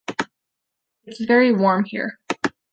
It’s very warm here.